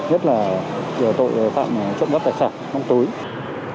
nhất là tội phạm trộm gấp tài sản mong túi